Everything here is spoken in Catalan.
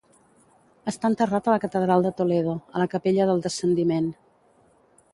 Està enterrat a la catedral de Toledo, a la capella del Descendiment.